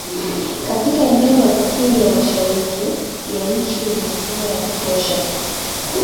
Katika eneo la kusini ya mashariki ya nchi yenye mvua ya kutosha